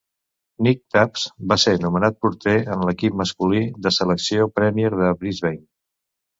Nick Tubbs va ser nomenat porter en l'equip masculí de selecció Premier de Brisbane.